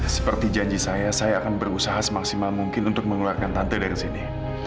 seperti janji saya saya akan berusaha semaksimal mungkin untuk mengeluarkan tante dari sini